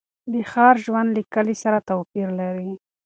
د ښار ژوند له کلي سره توپیر لري.